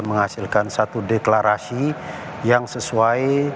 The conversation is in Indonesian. menghasilkan satu deklarasi yang sesuai